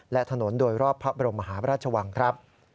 และถนนโดยรอบพระบรมหาพระราชวังครับ